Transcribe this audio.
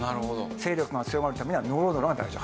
勢力が強まるためにはノロノロが大事。